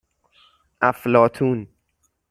افلاطون